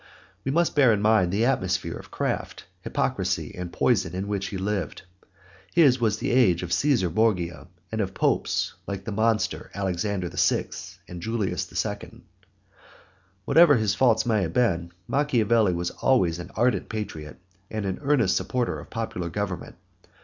We must bear in mind the atmosphere of craft, hypocrisy, and poison in which he lived, his was the age of Cæsar Borgia and of Popes like the monster Alexander VI. and Julius II. Whatever his faults may have been, Machiavelli was always an ardent patriot and an earnest supporter of popular government.